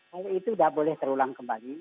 kalau itu tidak boleh terulang kembali